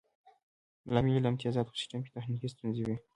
لامل یې د امتیازاتو په سیستم کې تخنیکي ستونزې نه وې